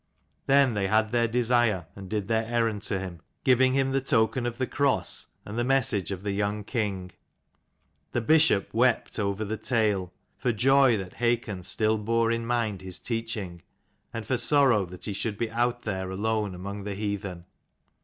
Then they had their desire and did their errand to him, giving him the token of the cross and the message of the young king. The bishop wept over the tale, for joy that Hakon still bore in mind his teaching, and for sorrow that he should be out there alone among the heathen.